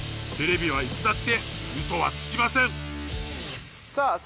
テレビはいつだって嘘はつきません。